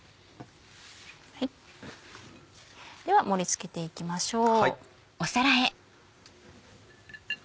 では盛り付けていきましょう。